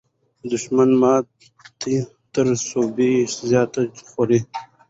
دښمن ماته تر سوبې زیاته خوړه.